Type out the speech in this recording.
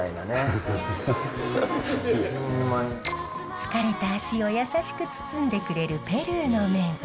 疲れた足を優しく包んでくれるペルーの綿。